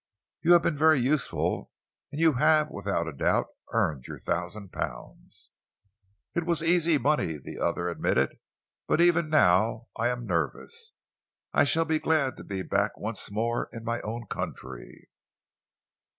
You have been very useful, and you have, without a doubt, earned your thousand pounds." "It was easy money," the other admitted, "but even now I am nervous. I shall be glad to be back once more in my own country."